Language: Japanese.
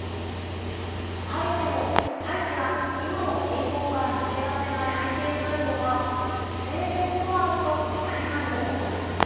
ハイチが今も貧困から抜け出せない背景にあるのは政情不安と災害の多さです。